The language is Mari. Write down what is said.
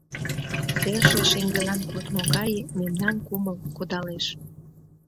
Серже шеҥгелан кодмо гае мемнан кумыл кодалеш.